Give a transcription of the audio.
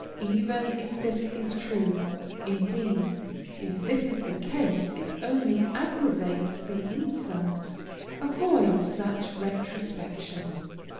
Even if this is true, (indeed, if this is the case, it only aggravates the insult); avoid such retrospection.